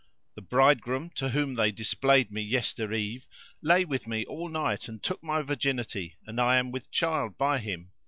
The bridegroom to whom they displayed me yestereve lay with me all night, and took my virginity and I am with child by him.